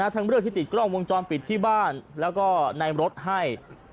ทั้งเรื่องที่ติดกล้องวงจรปิดที่บ้านแล้วก็ในรถให้